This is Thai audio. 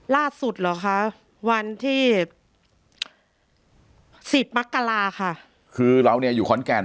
ล่าสุดหรอกคะวันที่๑๐๐๐มค่ะคือเรานี่อยู่ขอนแก่น